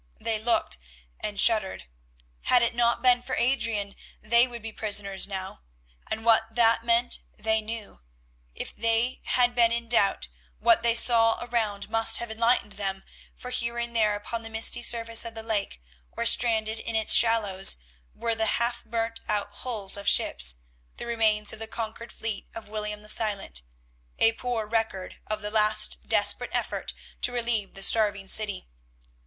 They looked and shuddered. Had it not been for Adrian they would be prisoners now, and what that meant they knew. If they had been in any doubt, what they saw around must have enlightened them, for here and there upon the misty surface of the lake, or stranded in its shallows, were the half burnt out hulls of ships, the remains of the conquered fleet of William the Silent; a poor record of the last desperate effort to relieve the starving city.